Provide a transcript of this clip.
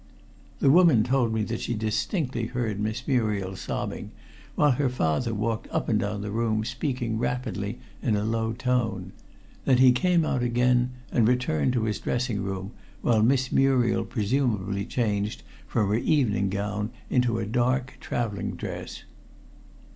The woman told me that she distinctly heard Miss Muriel sobbing, while her father walked up and down the room speaking rapidly in a low tone. Then he came out again and returned to his dressing room, while Miss Muriel presumably changed from her evening gown into a dark traveling dress.